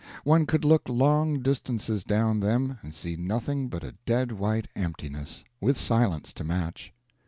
One could look long distances down them and see nothing but a dead white emptiness, with silence to match.